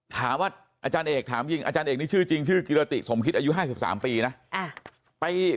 อาจารย์เอกถามจริงอาจารย์เอกนี่ชื่อจริงชื่อกิรติสมคิดอายุ๕๓ปีนะ